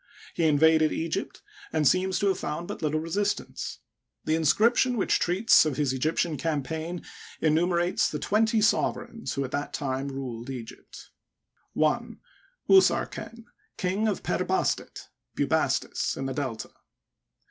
He invaded Egypt, and seems to have found but little resistance. The inscription which treats of his Egyp tian campaign enumerates the twenty sovereigns who at that time ruled Egypt : 1. Usarken, King of Per Bastet (Bubastis), in the Delta.